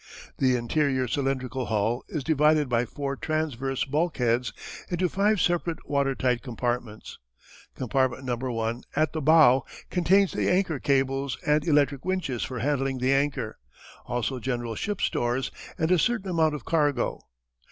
The interior cylindrical hull is divided by four transverse bulkheads into five separate water tight compartments. Compartment No. 1, at the bow, contains the anchor cables and electric winches for handling the anchor; also general ship stores, and a certain amount of cargo.